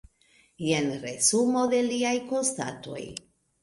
Jen resumo de liaj konstatoj.